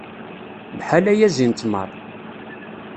Bḥal ayazi n ttmer.